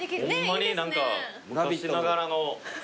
ホンマに昔ながらの。